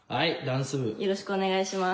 よろしくお願いします。